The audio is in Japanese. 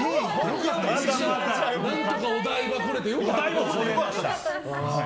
何とかお台場来れて良かったですね。